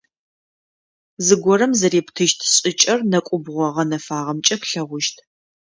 Зыгорэм зэрептыщт шӏыкӏэр нэкӏубгъо гъэнэфагъэмкӏэ плъэгъущт.